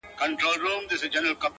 په سیوري پسي پل اخلي رازونه تښتوي٫